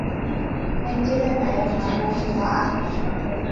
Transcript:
Weerdjenda nalam maʼa vovuma.